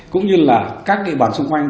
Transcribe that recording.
cũng như là các địa bàn xung quanh